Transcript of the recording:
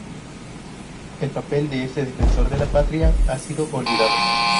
El papel de este defensor de la patria ha sido olvidado.